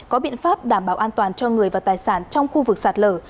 có biện pháp đảm bảo an toàn cho người và tài sản trong khu vực sạt lở